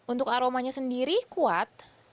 untuk aromanya sendiri ini lebih lengket daripada yang lain